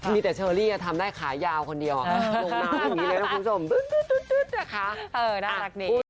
มีแต่เชอรี่ทำได้ขายาวคนเดียวลงน้ำอย่างนี้เลยนะคุณผู้ชมนะคะน่ารักดี